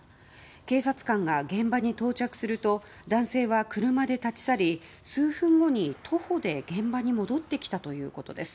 警察官が現場に到着すると男性は車で立ち去り数分後に徒歩で現場に戻ってきたということです。